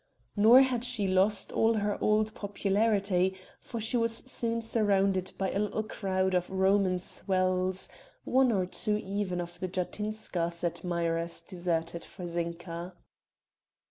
Nor had she lost all her old popularity, for she was soon surrounded by a little crowd of Roman 'swells;' one or two even of the Jatinskas' admirers deserted to Zinka.